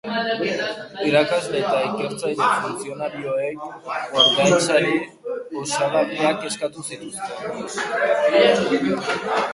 Irakasle eta ikertzaile funtzionarioek ordainsari osagarriak eskatu zituzten.